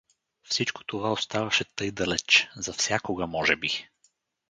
Всичко това оставаше тъй далеч, за всякога може би!